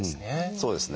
そうですね。